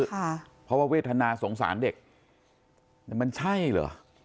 ค่ะเพราะว่าเวทนาสงสารเด็กแต่มันใช่เหรอ